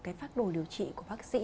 cái pháp đồ điều trị của bác sĩ